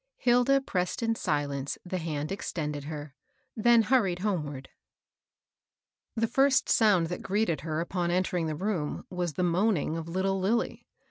Hilda pressed in silence the hand extended her, then hurried homeward. THE "strike." 173 The first sound that greeted her upon entering the room was the moaning of little Lilly.